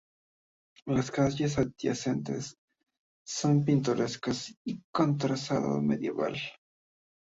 Las calles adyacentes son pintorescas y con trazado medieval.